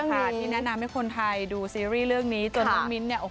ที่แนะนำให้คนไทยดูซีรีส์เรื่องนี้จนน้องมิ้นเนี่ย